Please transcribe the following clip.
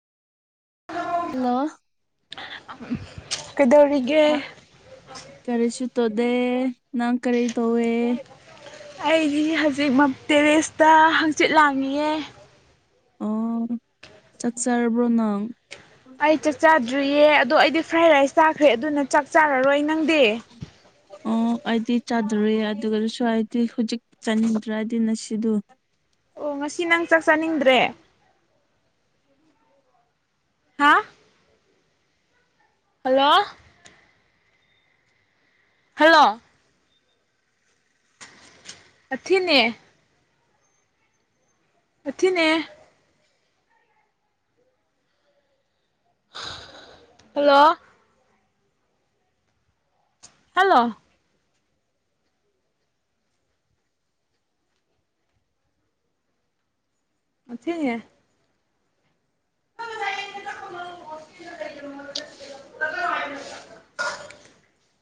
hello ꯀꯩꯗꯧꯔꯤ ꯀꯔꯤꯁꯨ ꯇꯧꯗꯦ ꯅꯪ ꯀꯔꯤ ꯇꯧꯋꯦ ꯑꯩꯖꯤ ꯍꯖꯤꯛ ꯃꯝ ꯇꯦꯔꯦꯁꯇ ꯍꯪꯆꯤꯠ ꯂꯥꯡꯉꯤꯌ‌ꯦ ꯑꯣ ꯆꯥꯛ ꯆꯥꯥꯔꯕ꯭ꯔꯣ ꯅꯪ ꯑꯩ ꯆꯛ ꯆꯥꯗ꯭ꯔꯤꯌꯦ ꯑꯗꯣ ꯑꯩꯗꯤ ꯐ꯭ꯔꯥꯏ ꯔꯥꯏꯁ ꯆꯥꯈ꯭ꯔꯦ ꯑꯗꯨꯅ ꯆꯥꯛ ꯆꯥꯔꯔꯣꯏ ꯅꯪꯗꯤ ꯑꯣ ꯑꯩꯗꯤ ꯆꯥꯗꯔꯤ ꯑꯗꯨꯒꯖꯨ ꯁꯋꯥꯏꯗꯤ ꯍꯨꯖꯤꯛ ꯆꯥꯅꯤꯡꯗ꯭ꯔꯥ ꯑꯗꯨꯅ ꯁꯤꯗꯨ ꯑꯣ ꯉꯁꯤ ꯅꯪ ꯆꯥꯛ ꯆꯥꯅꯤꯡꯗ꯭ꯔꯦ ꯍꯥ ꯍꯜꯂꯣ ꯍꯜꯂꯣ ꯑꯊꯤꯅꯦ ꯑꯊꯤꯅꯦ ꯍꯂꯣ ꯍꯜꯂꯣ ꯑꯊꯤꯅ‌ꯦ [unintelligible] [inaudible]